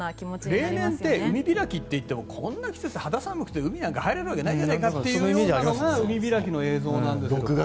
例年って海開きといってもこんな季節、肌寒くて海なんか入れないというのが海開きの映像なんですが。